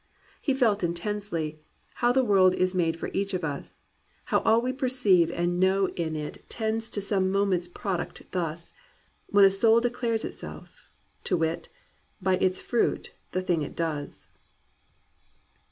He felt intensely "How the world is made for each of us ! How all we perceive and know in it 256 ''GLORY OF THE IMPERFECT" Tends to some moment's product thus, When a soul declares itself — to wit. By its fruit, the thing it does